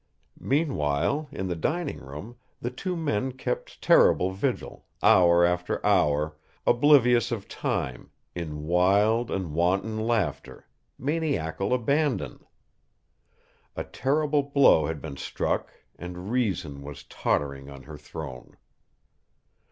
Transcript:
Meanwhile, in the dining room, the two men kept terrible vigil, hour after hour, oblivious of time, in wild and wanton laughter maniacal abandon. A terrible blow had been struck and Reason was tottering on her throne.